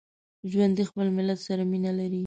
ژوندي خپل ملت سره مینه لري